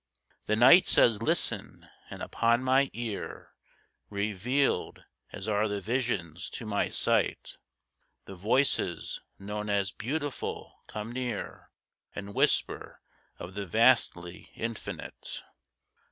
The Night says, "Listen!" and upon my ear Revealed, as are the visions to my sight, The voices known as "Beautiful" come near And whisper of the vastly Infinite.